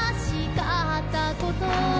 「かったこと」